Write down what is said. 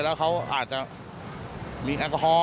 แล้วเขาอาจจะมีแอลกอฮอล